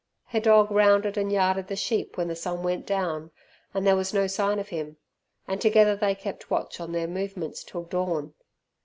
Her dog rounded and yarded the sheep when the sun went down and there was no sign of him, and together they kept watch on their movements till dawn.